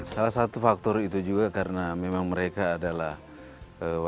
salah satu faktor itu juga karena memang mereka adalah warga